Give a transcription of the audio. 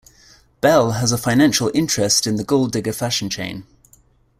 Bell has a financial interest in the Golddigga fashion chain.